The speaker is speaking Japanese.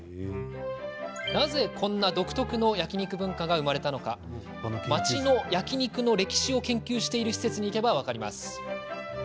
なぜ、こんな独特の焼肉文化が生まれたのか町の焼肉の歴史を研究している施設に行けば分かります。